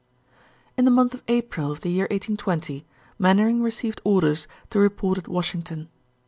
In the month of April of the year 1820 Mainwaring received orders to report at Washington.